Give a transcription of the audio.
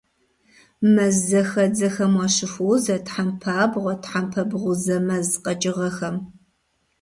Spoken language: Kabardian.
Мэззэхэдзэхэм уащыхуозэ тхьэмпабгъуэ, тхьэмпэ бгъузэ мэз къэкӀыгъэхэм.